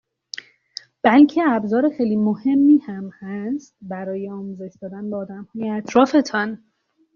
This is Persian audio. بلکه ابزار خیلی مهمی هم است برای آموزش دادن به آدمهای اطرافتان